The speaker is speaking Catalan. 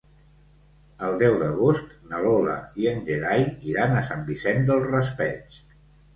El deu d'agost na Lola i en Gerai iran a Sant Vicent del Raspeig.